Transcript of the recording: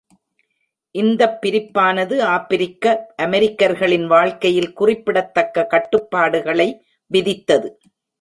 இந்தப் பிரிப்பானது, ஆப்பிரிக்க-அமெரிக்கர்களின் வாழ்க்கையில் குறிப்பிடத்தக்க கட்டுப்பாடுகளை விதித்தது.